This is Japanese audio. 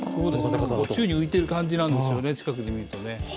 宙に浮いてる感じなんですよね、近くで見ると。